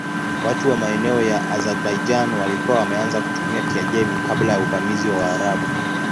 Watu wa maeneo ya Azerbaijan walikuwa wameanza kutumia Kiajemi kabla ya uvamizi wa Waarabu.